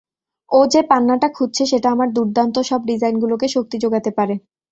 ও যে পান্নাটা খুঁজছে সেটা আমার দুর্দান্ত সব ডিজাইনগুলোকে শক্তি জোগাতে পারে।